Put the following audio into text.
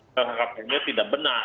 terangkatannya tidak benar